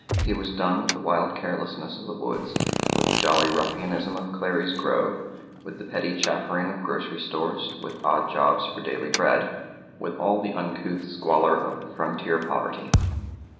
He was done with the wild carelessness of the woods, with the jolly ruffianism of Clary's Grove, with the petty chaffering of grocery stores, with odd jobs for daily bread, with all the uncouth squalor of the frontier poverty.